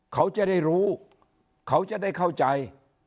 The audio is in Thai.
เขาจะได้รู้เขาจะได้เข้าใจ